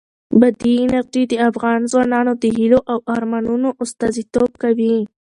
بادي انرژي د افغان ځوانانو د هیلو او ارمانونو استازیتوب کوي.